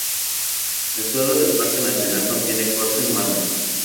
El suelo del parque nacional contiene cuarzo y mármol.